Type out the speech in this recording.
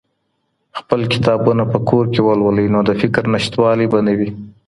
خپل کتابونه په کور کې ولولئ، نو د فکر نشتوالی به نه وي.